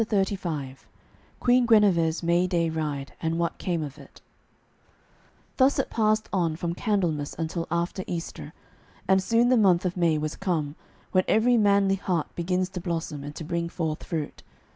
CHAPTER XXXV QUEEN GUENEVER'S MAY DAY RIDE AND WHAT CAME OF IT Thus it passed on from Candlemas until after Easter, and soon the month of May was come, when every manly heart begins to blossom and to bring forth fruit.